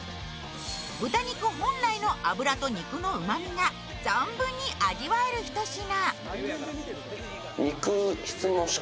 豚肉本来の脂と肉のうまみが存分に味わえるひと品。